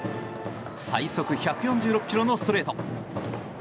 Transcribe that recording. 最速１４６キロのストレート。